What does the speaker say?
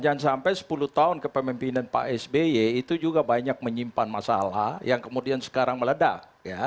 jangan sampai sepuluh tahun kepemimpinan pak sby itu juga banyak menyimpan masalah yang kemudian sekarang meledak